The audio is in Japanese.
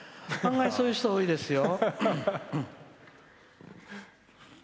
案外、そういう人、多いですよ。